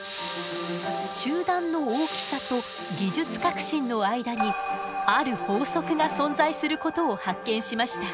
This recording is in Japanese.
集団の大きさと技術革新の間にある法則が存在することを発見しました。